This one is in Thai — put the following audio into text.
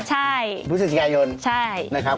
ใช่พิวเศษยายนใช่ความยินดี